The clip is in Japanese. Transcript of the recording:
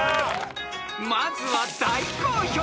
［まずは大好評